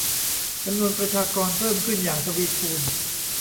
จำนวนประชากรเพิ่มขึ้นอย่างทวีคูณ